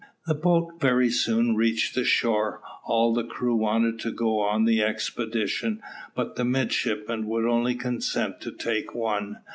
The boat very soon reached the shore. All the crew wanted to go on the expedition, but the midshipmen would only consent to take one.